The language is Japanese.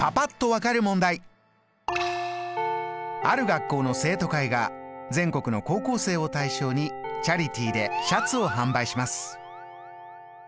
ある学校の生徒会が全国の高校生を対象にチャリティーでシャツを販売します。